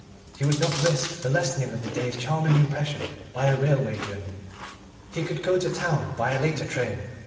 He would not risk the lessening of the day's charming impression by a railway journey. He could go to town by a later train.